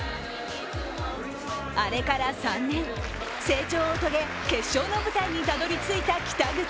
あれから３年、成長を遂げ決勝の舞台にたどり着いた北口。